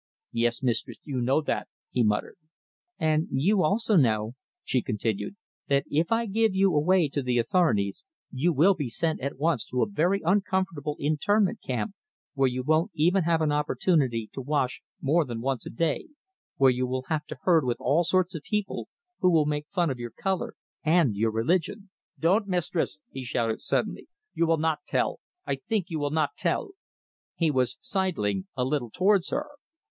"Yes, mistress, you know that," he muttered. "And you also know," she continued, "that if I give you away to the authorities you will be sent at once to a very uncomfortable internment camp, where you won't even have an opportunity to wash more than once a day, where you will have to herd with all sorts of people, who will make fun of your colour and your religion " "Don't, mistress!" he shouted suddenly. "You will not tell. I think you will not tell!" He was sidling a little towards her.